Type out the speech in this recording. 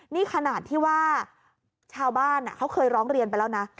ภาวบ้านเคยร้องเรียนไปแล้วนะ